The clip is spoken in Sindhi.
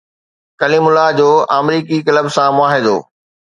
ڪليم الله جو آمريڪي ڪلب سان معاهدو